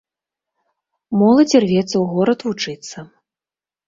Моладзь ірвецца ў горад вучыцца.